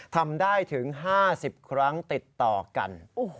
ทำได้ถึง๕๐ครั้งติดต่อกัน